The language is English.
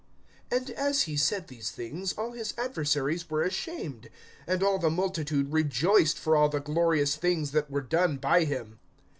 (17)And as he said these things, all his adversaries were ashamed; and all the multitude rejoiced for all the glorious things that were done by him.